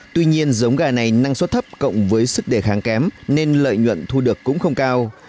tuy nhiên giống gà này năng suất thấp cộng với sức đề kháng kém nên lợi nhuận thu được cũng không cao